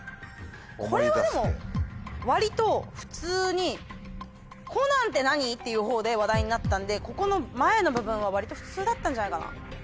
これはでも割と普通にコナンって何？っていう方で話題になったんでここの前の部分は割と普通だったんじゃないかな。